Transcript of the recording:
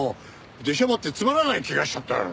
出しゃばってつまらない怪我しちゃったよ。